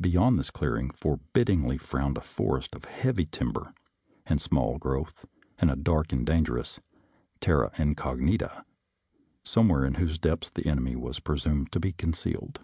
Beyond this clearing forbiddingly frowned a forest of heavy timber and small growth, a dark and dangerous terra incognita, somewhere in whose depths the enemy was pre sumed to be concealed.